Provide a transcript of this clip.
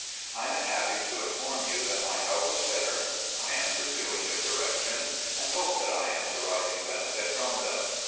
I am happy to inform you that my health is better. I am pursuing your directions and hope that I am deriving benefit from them.